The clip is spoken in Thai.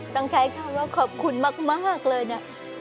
ตั้งแค่คำว่าขอบคุณมากเลยน่ะ